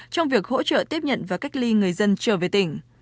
trong việc hỗ trợ tiếp nhận và cách ly người dân trở về tỉnh